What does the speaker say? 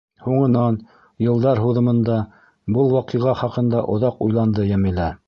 Һуңынан, йылдар һуҙымында, был ваҡиға хаҡында оҙаҡ уйланды Йәмилә.